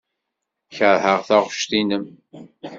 Keṛheɣ taɣect-nnem.